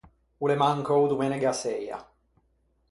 O l’é mancou domenega seia.